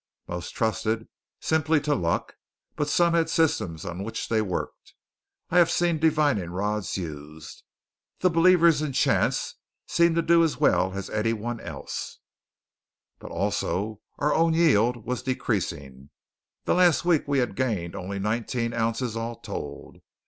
Most trusted simply to luck, but some had systems on which they worked. I have seen divining rods used. The believers in chance seemed to do as well as any one else. But, also, our own yield was decreasing. The last week we had gained only nineteen ounces all told.